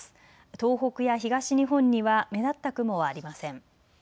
東北や東日本には目立った雲はありません。